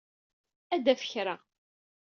Ad d-taf kra.